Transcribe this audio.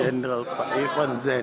general pak irwan zain